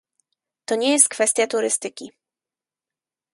To nie jest kwestia turystyki